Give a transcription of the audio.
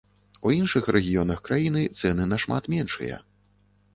У іншых рэгіёнах краіны цэны нашмат меншыя.